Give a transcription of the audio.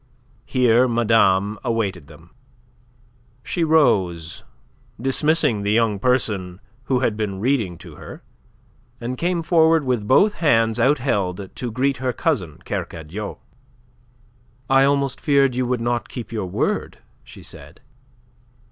Here madame awaited them. She rose, dismissing the young person who had been reading to her, and came forward with both hands outheld to greet her cousin Kercadiou. "I almost feared you would not keep your word," she said.